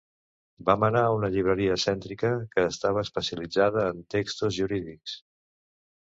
Vam anar a una llibreria cèntrica que estava especialitzada en textos jurídics.